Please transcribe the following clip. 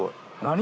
何？